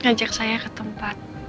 ngajak saya ke tempat